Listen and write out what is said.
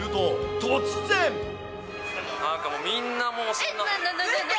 なんかもう、みんなもう。